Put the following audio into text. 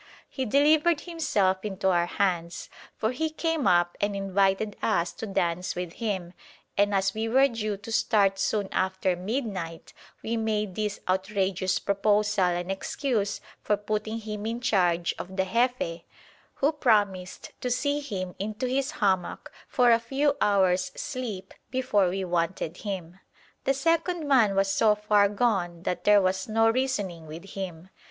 He delivered himself into our hands, for he came up and invited us to dance with him, and as we were due to start soon after midnight we made this outrageous proposal an excuse for putting him in charge of the Jefe, who promised to see him into his hammock for a few hours' sleep before we wanted him. The second man was so far gone that there was no reasoning with him.